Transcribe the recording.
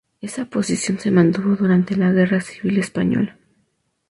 Esa posición se mantuvo durante la guerra civil española.